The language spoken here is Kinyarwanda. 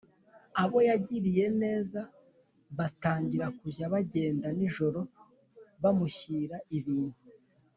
abo yagiriye neza batangira kujya bagenda nijoro, bamushyira ibintu